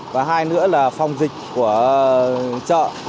và hai nữa là phòng dịch của chợ